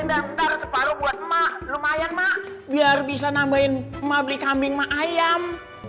daftar separuh buat emak lumayan mak biar bisa nambahin emak beli kambing mak ayam